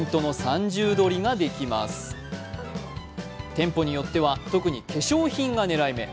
店舗によっては特に化粧品が狙い目。